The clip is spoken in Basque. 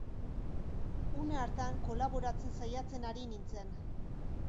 Une hartan kolaboratzen saiatzen ari nintzen.